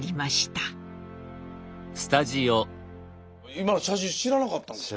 今の写真知らなかったんですか？